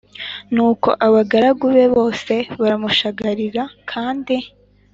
Nuko abagaragu be bose baramushagara kandi